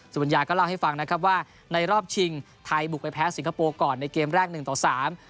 ัญญาก็เล่าให้ฟังนะครับว่าในรอบชิงไทยบุกไปแพ้สิงคโปร์ก่อนในเกมแรกหนึ่งต่อสาม